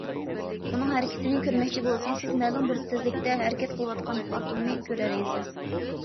ئۇنىڭ ھەرىكىتىنى كۆرمەكچى بولسىڭىز، سىز مەلۇم بىر تېزلىكتە ھەرىكەت قىلىۋاتقان ئاتومنى كۆرەلەيسىز.